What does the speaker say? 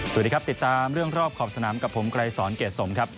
สวัสดีครับติดตามเรื่องรอบขอบสนามกับผมไกรสอนเกรดสมครับ